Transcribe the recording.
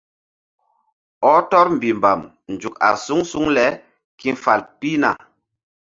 Ɔh tɔr mbihmbam nzuk a suŋ suŋ le ki̧fal pihna.